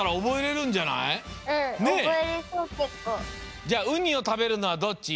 じゃあウニを食べるのはどっち？